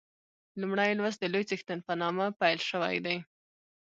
لومړی لوست د لوی څښتن په نامه پیل شوی دی.